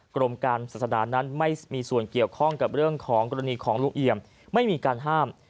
กรมการศาสนานั้นไม่มีส่วนเกี่ยวข้องกับเรื่องของกรณีของลุงเอี่ยมไม่มีการห้าม